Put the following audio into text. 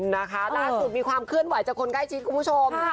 นะคะล่าสุดมีความเคลื่อนไหวจากคนใกล้ชิดคุณผู้ชม